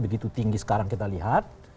begitu tinggi sekarang kita lihat